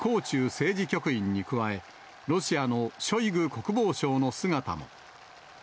政治局員に加え、ロシアのショイグ国防相の姿も。